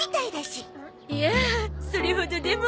いやあそれほどでも。